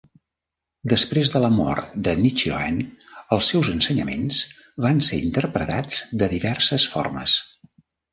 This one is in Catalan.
Després de la mort de Nichiren, els seus ensenyaments van ser interpretats de diverses formes.